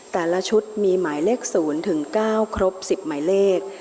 แต่ละชุดมีหมายเลข๐ถึง๙ครบ๑๐หมายเลข